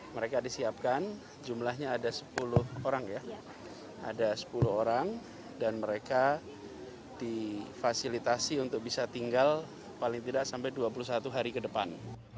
mereka disiapkan jumlahnya ada sepuluh orang ya ada sepuluh orang dan mereka difasilitasi untuk bisa tinggal paling tidak sampai dua puluh satu hari ke depan